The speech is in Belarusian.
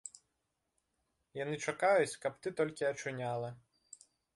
Яны чакаюць, каб ты толькі ачуняла.